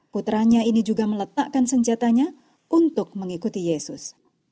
putranya ini juga meletakkan senjatanya untuk mengikuti yesus